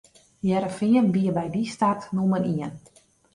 Hearrenfean wie by dy start nûmer ien.